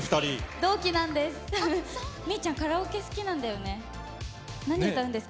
同期なんです。